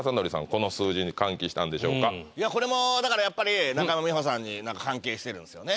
この数字に歓喜したんでしょうかいやこれもだからやっぱり中山美穂さんに何か関係してるんすよね？